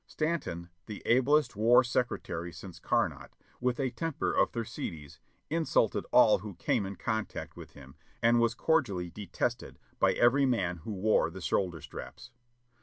Stanton, the ablest war secretary since Carnot, with a temper of Thersetes, insulted all who came in contact with him, and was cordially yi6 JOHNNY REB AND BILIvY YANK detested by every man who wore the shoulder straps.